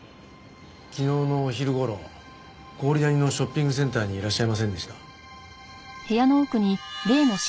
昨日のお昼頃郡谷のショッピングセンターにいらっしゃいませんでした？